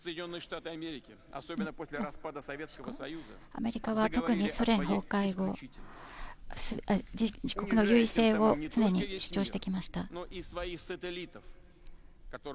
アメリカは特にソ連崩壊後、自国の優位性を常に主張してきました。